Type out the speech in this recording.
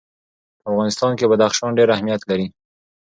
په افغانستان کې بدخشان ډېر اهمیت لري.